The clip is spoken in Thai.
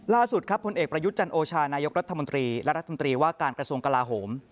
ล่าสุดครับผลเอกประยุทธ์จันโอชานายกรัฐมนตรีและรัฐมนตรีว่าการกระทรวงกลาโหม